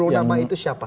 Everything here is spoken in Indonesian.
sepuluh nama itu siapa